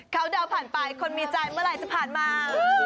เขาเดาผ่านไปคนมีใจเมื่อไหร่จะผ่านมา